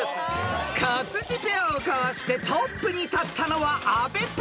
［勝地ペアをかわしてトップに立ったのは阿部ペア］